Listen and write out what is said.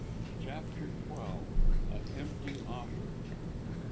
CHAPTER XII A TEMPTING OFFER.